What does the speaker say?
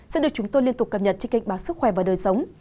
sẽ được chúng tôi liên tục cập nhật trên kênh báo sức khỏe và đời sống